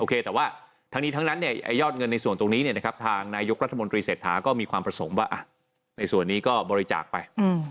แต่ว่าทั้งนี้ทั้งนั้นยอดเงินในส่วนตรงนี้ทางนายกรัฐมนตรีเศรษฐาก็มีความประสงค์ว่าในส่วนนี้ก็บริจาคไป